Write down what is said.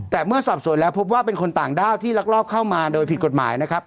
แต่เมื่อสอบสวนแล้วพบว่าเป็นคนต่างด้าวที่ลักลอบเข้ามาโดยผิดกฎหมายนะครับ